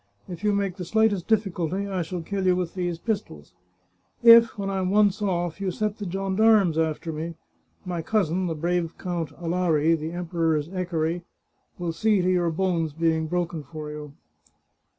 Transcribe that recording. If you make the slightest difficulty I shall kill you with these pis tols. If, when I am once oflF, you set the gendarmes after me, my cousin, the brave Count Alari, the Emperor's equerry, will see to your bones being broken for you."